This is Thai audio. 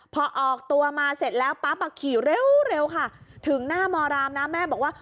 พอออกตัวมาเสร็จแล้วปั๊บอ่ะขี่เร็วค่ะถึงหน้ามรามนะแม่บอกว่า